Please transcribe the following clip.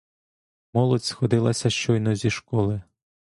Молодь сходилася щойно зі школи.